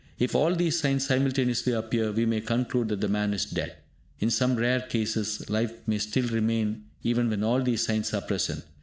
If all these signs simultaneously appear, we may conclude that the man is dead. In some rare cases, life may still remain even when all these signs are present.